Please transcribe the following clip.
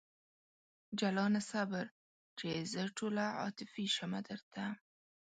جلانه صبر! چې زه ټوله عاطفي شم درته